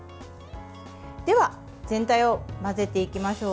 では、全体を混ぜていきましょう。